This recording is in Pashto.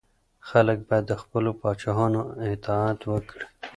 خلګ باید د خپلو پاچاهانو اطاعت وکړي.